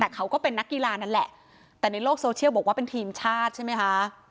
แต่เขาก็เป็นนักกีฬานั่นแหละแต่ในโลกโซเชียลบอกว่าเป็นทีมชาติใช่ไหมคะ